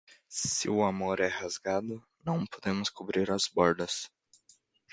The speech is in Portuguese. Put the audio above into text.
Se o amor é rasgado, não podemos cobrir as bordas.